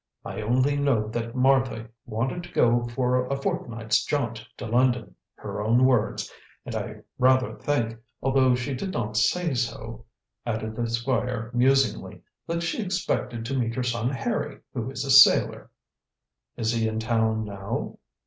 "I only know that Martha wanted to go for a fortnight's jaunt to London her own words. And I rather think, although she did not say so," added the Squire musingly, "that she expected to meet her son Harry, who is a sailor." "Is he in town now?"